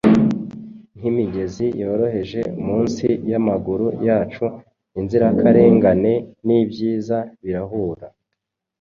Nkimigezi yoroheje munsi yamaguru yacu Inzirakarengane nibyiza birahura.